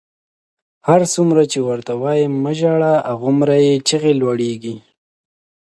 هرڅومره چې ورته وایم مه ژاړه، هغومره یې چیغې لوړېږي.